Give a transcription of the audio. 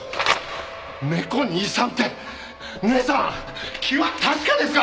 猫に遺産って姉さん気は確かですか！？